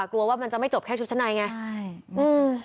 กลัวว่ามันจะไม่จบแค่ชุดชั้นในไงใช่อืม